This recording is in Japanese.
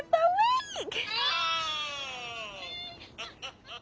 ハハハッ。